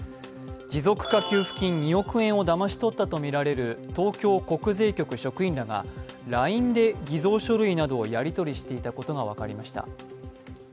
持続化給付金２億円をだまし取ったとみられる東京国税局職員らがＬＩＮＥで偽造書類などをやりとりしていたことが分かりました。